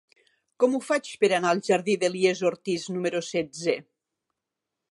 Com ho faig per anar al jardí d'Elies Ortiz número setze?